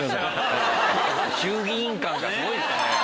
衆議院感がすごいっすね。